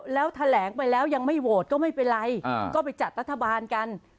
แล้วแถลงไปแล้วยังไม่โหวตก็ไม่เป็นไรก็ไปจัดรัฐบาลกัน